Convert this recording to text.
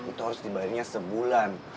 itu harus dibayarnya sebulan